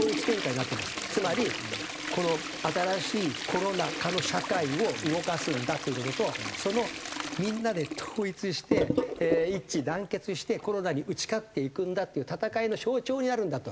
つまりこの新しいコロナ禍の社会を動かすんだという事とそのみんなで統一して一致団結してコロナに打ち勝っていくんだっていう戦いの象徴になるんだと。